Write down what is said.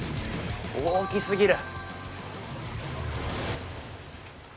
大きすぎる！